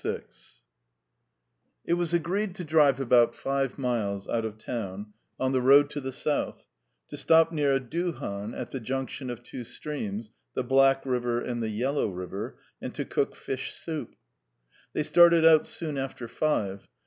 VI It was agreed to drive about five miles out of town on the road to the south, to stop near a duhan at the junction of two streams the Black River and the Yellow River and to cook fish soup. They started out soon after five.